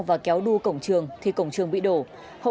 và kéo đu cổng trường thì cổng trường bị đổ